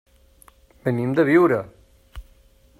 Venim de Biure.